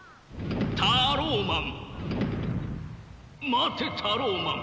待てタローマン。